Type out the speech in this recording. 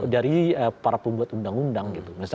dari para pembuat undang undang gitu